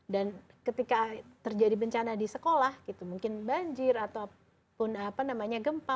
dan ketika terjadi bencana di sekolah gitu mungkin banjir ataupun apa namanya gempa